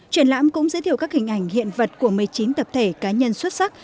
triển lãm cũng giới thiệu các hình ảnh hiện vật của một mươi chín tập thể cá nhân xuất sắc